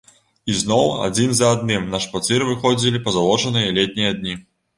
І зноў адзін за адным на шпацыр выходзілі пазалочаныя летнія дні.